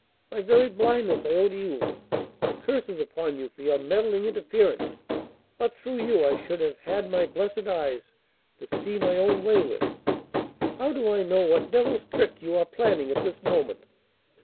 My very blindness I owe to you; my curses upon you for your meddling interference! But through you I should have had my blessed eyes to see my own way with. How do I know what devil's trick you are planning at this moment?"